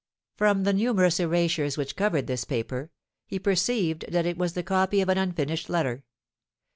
From the numerous erasures which covered this paper, he perceived that it was the copy of an unfinished letter.